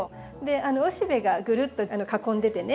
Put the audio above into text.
雄しべがぐるっと囲んでてね